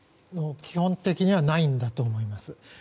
基本的にはないんだと思います。